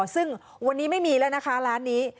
ซึ่งวันนี้ไม่มีแล้วนะคะร้านนี้